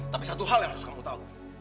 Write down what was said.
tapi satu hal yang harus kamu tahu